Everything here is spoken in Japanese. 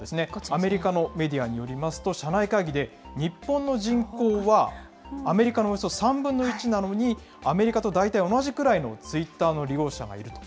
アメリカのメディアによりますと、社内会議で、日本の人口はアメリカのおよそ３分の１なのに、アメリカと大体同じくらいのツイッターの利用者がいると。